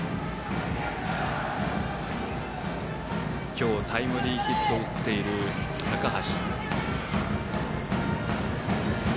今日タイムリーヒットを打っている高橋。